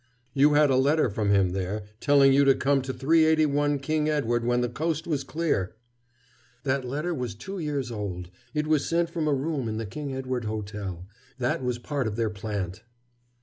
"You had a letter from him there, telling you to come to 381 King Edward when the coast was clear." "That letter was two years old. It was sent from a room in the King Edward Hotel. That was part of their plant."